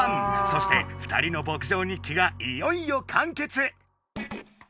そして２人の「牧場日記」がいよいよかんけつ！